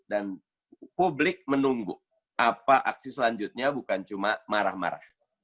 dan publik menunggu apa aksi selanjutnya bukan cuma marah marah